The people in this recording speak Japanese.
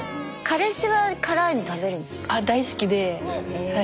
彼氏は辛いの食べるんですか？